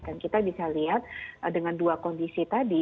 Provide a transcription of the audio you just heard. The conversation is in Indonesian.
dan kita bisa lihat dengan dua kondisi tadi